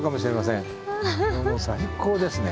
もう最高ですね。